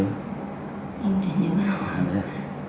em không thể nhớ